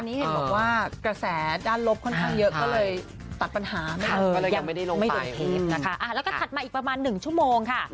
เห็นบอกว่ากระแสด้านลบค่อนข้างเยอะก็เลยตัดปัญหาไม่ได้โดนเทปนะคะแล้วก็ถัดมาอีกประมาณ๑ชั่วโมงค่ะ